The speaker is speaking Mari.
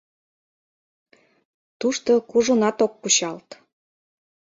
Тушто кужунат ок кучалт.